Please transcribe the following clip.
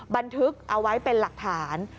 บันทึกเอาไว้เป็นหลักฐาน